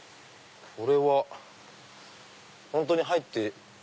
これは本当に入って。